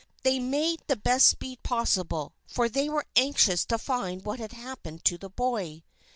They made the best speed possible, for they were anxious to find what had happened to the boy.